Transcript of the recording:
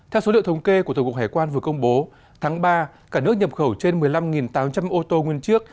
theo số liệu thống kê của tổng cục hải quan vừa công bố tháng ba cả nước nhập khẩu trên một mươi năm tám trăm linh ô tô nguyên chiếc